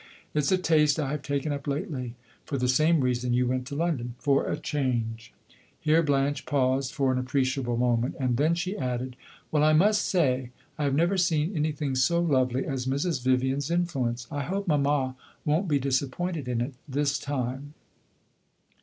It 's a taste I have taken up lately, for the same reason you went to London, for a 'change.'" Here Blanche paused for an appreciable moment; and then she added "Well, I must say, I have never seen anything so lovely as Mrs. Vivian's influence. I hope mamma won't be disappointed in it this time."